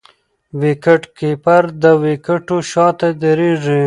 وکيټ کیپر د وکيټو شاته درېږي.